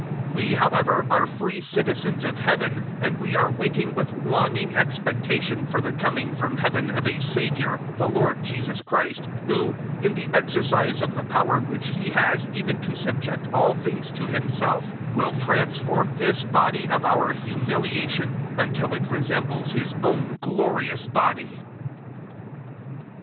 003:020 We, however, are free citizens of Heaven, and we are waiting with longing expectation for the coming from Heaven of a Saviour, the Lord Jesus Christ, 003:021 who, in the exercise of the power which He has even to subject all things to Himself, will transform this body of our humiliation until it resembles His own glorious body.